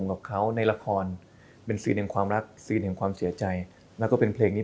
กับเขาในละครเป็นซีนแห่งความรักซีนแห่งความเสียใจแล้วก็เป็นเพลงนี้